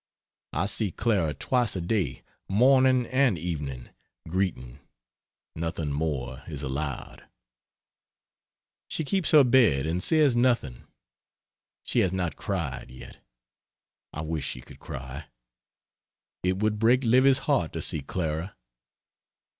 I see Clara twice a day morning and evening greeting nothing more is allowed. She keeps her bed, and says nothing. She has not cried yet. I wish she could cry. It would break Livy's heart to see Clara.